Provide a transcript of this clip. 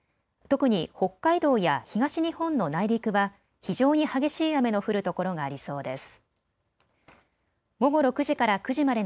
特に北海道や東日本の内陸は非常に激しい雨の降る所がありそうです。